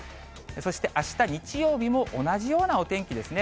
そして、あした日曜日も同じようなお天気ですね。